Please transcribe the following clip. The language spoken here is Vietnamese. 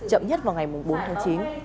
chậm nhất vào ngày bốn tháng chín